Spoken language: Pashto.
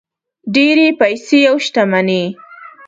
ډېرې پیسې او شتمني.